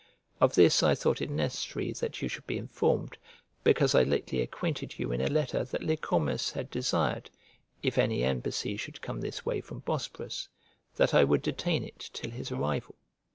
Of this I thought it necessary that you should be informed, because I lately acquainted you in a letter that Lycormas had desired, if any embassy should come this way from Bosporus, that I would detain it till his arrival.